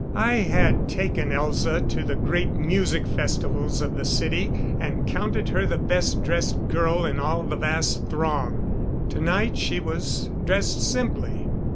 I had taken Elza to the great music festivals of the city, and counted her the best dressed girl in all the vast throng. Tonight she was dressed simply.